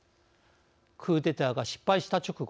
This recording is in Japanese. クーデターが失敗した直後